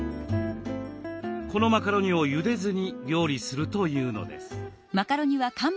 このマカロニをゆでずに料理するというのです。